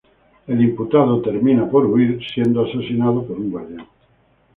El imputado termina por huir y es asesinado por un guardián.